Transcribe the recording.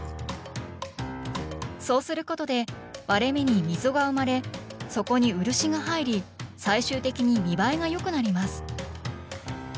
そうすることで割れ目に溝が生まれそこに漆が入り最終的に見栄えが良くなります。